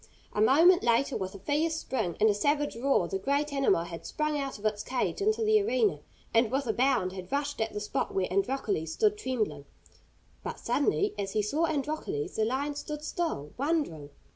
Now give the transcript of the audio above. A moment later, with a fierce spring and a savage roar, the great animal had sprung out of its cage into the arena, and with a bound had rushed at the spot where Androcles stood trembling. But suddenly, as he saw Androcles, the lion stood still, wondering.